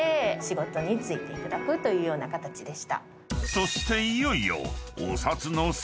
［そしていよいよ］